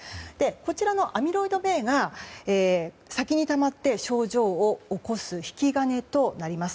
こちらのアミロイドβが先にたまって症状を起こす引き金となります。